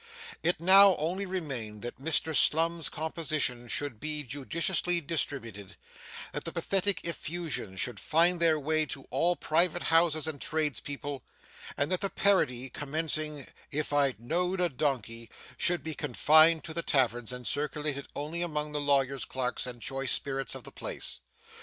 It now only remained that Mr Slum's compositions should be judiciously distributed; that the pathetic effusions should find their way to all private houses and tradespeople; and that the parody commencing 'If I know'd a donkey,' should be confined to the taverns, and circulated only among the lawyers' clerks and choice spirits of the place.